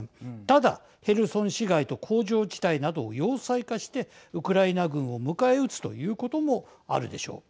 ただ、ヘルソン市街と工場地帯などを要塞化してウクライナ軍を迎え撃つということもあるでしょう。